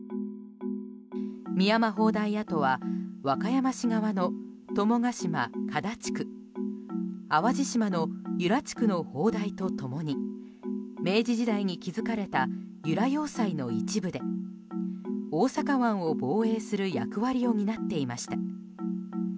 深山砲台跡は和歌山市側の友ヶ島、加太地区淡路島の由良地区の砲台と共に明治時代に築かれた由良要塞の一部で大阪湾を防衛する役割を担っていました。